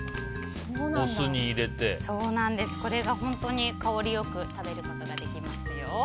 これで本当に香り良く食べることができますよ。